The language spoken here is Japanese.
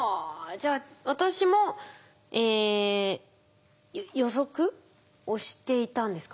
じゃあ私も予測をしていたんですか？